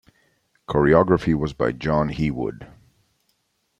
Choreography was by John Heawood.